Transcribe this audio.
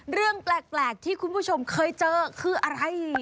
เรื่องแปลกที่คุณผู้ชมเคยเจอคืออะไร